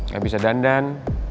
gak bisa dandan